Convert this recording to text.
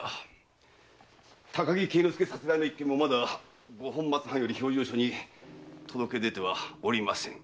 高木恵之介殺害の一件もまだ五本松藩より評定所に届け出てはおりませぬ。